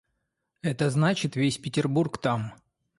Это значит — весь Петербург там.